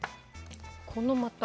このまた。